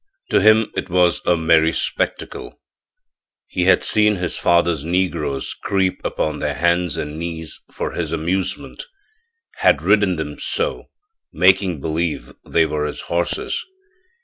To him it was a merry spectacle. He had seen his father's negroes creep upon their hands and knees for his amusement had ridden them so, "making believe" they were his horses.